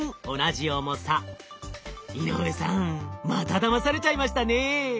井上さんまただまされちゃいましたね。